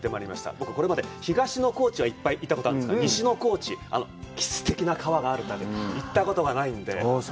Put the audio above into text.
僕、これまで東の高知はいっぱい行ったことがあるんですが、西の高知、歴史的な川がある、行ったことがないので。